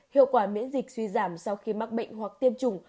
hiệu quả miễn dịch suy giảm sau khi mắc bệnh hoặc tiêm chủng